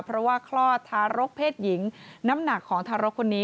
เพราะว่าคลอดทารกเพศหญิงน้ำหนักของทารกคนนี้